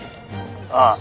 ああ。